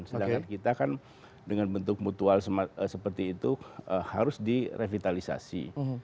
sedangkan kita kan dengan bentuk mutual seperti itu harus direvitalisasi